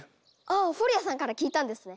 あフォリアさんから聞いたんですね！